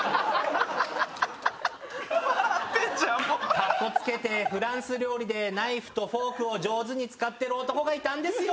かっこつけてフランス料理でナイフとフォークを上手に使ってる男がいたんですよ。